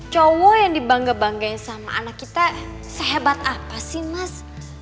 cowok yang dibangga banggain sama anak kita sehebat apa sih mas